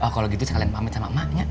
kalau gitu sekalian pamit sama ma ya